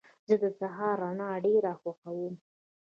زه د سهار رڼا ډېره خوښوم.